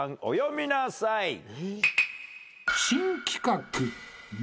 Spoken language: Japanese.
お詠みなさい。